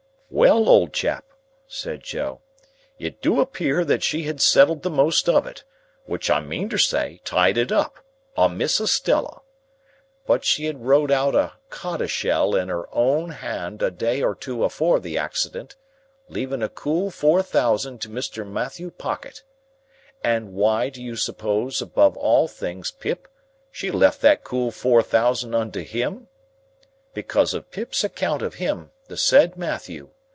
"Well, old chap," said Joe, "it do appear that she had settled the most of it, which I meantersay tied it up, on Miss Estella. But she had wrote out a little coddleshell in her own hand a day or two afore the accident, leaving a cool four thousand to Mr. Matthew Pocket. And why, do you suppose, above all things, Pip, she left that cool four thousand unto him? 'Because of Pip's account of him, the said Matthew.